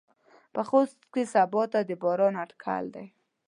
په خوست کې سباته د باران اټکل دى.